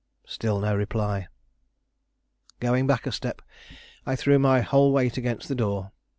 Still no reply. Going back a step, I threw my whole weight against the door.